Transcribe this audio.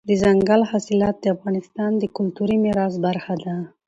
دځنګل حاصلات د افغانستان د کلتوري میراث برخه ده.